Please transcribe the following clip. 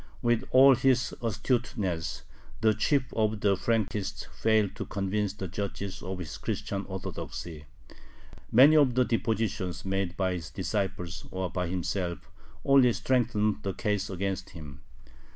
With all his astuteness, the chief of the Frankists failed to convince the judges of his Christian Orthodoxy. Many of the depositions made by his disciples or by himself only strengthened the case against him.